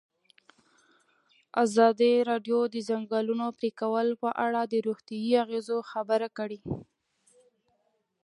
ازادي راډیو د د ځنګلونو پرېکول په اړه د روغتیایي اغېزو خبره کړې.